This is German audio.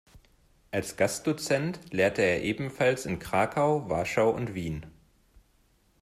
Als Gastdozent lehrte er ebenfalls in Krakau, Warschau und Wien.